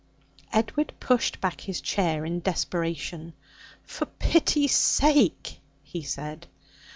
Edward pushed back his chair in desperation. 'For pity's sake!' he said.